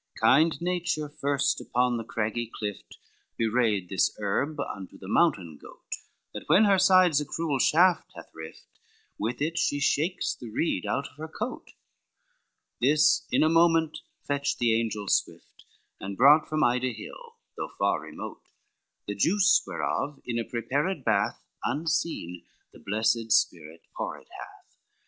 LXXIII Kind nature first upon the craggy clift Bewrayed this herb unto the mountain goat, That when her sides a cruel shaft hath rift, With it she shakes the reed out of her coat; This in a moment fetched the angel swift, And brought from Ida hill, though far remote, The juice whereof in a prepared bath Unseen the blessed spirit poured hath.